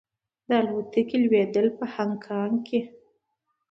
د الوتکې لوېدل په هانګ کې کې.